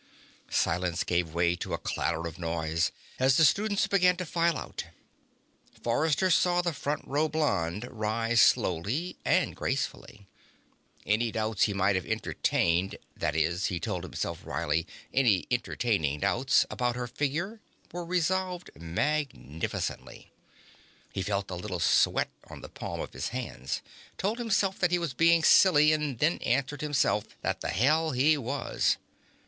Silence gave way to a clatter of noise as the students began to file out. Forrester saw the front row blonde rise slowly and gracefully. Any doubts he might have entertained (that is, he told himself wryly, any entertaining doubts) about her figure were resolved magnificently. He felt a little sweat on the palm of his hands, told himself that he was being silly, and then answered himself that the hell he was.